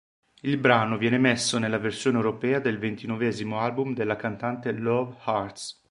Il brano viene messo nella versione europea del ventinovesimo album della cantante "Love Hurts".